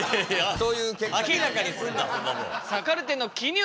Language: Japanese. そういう結果になるね。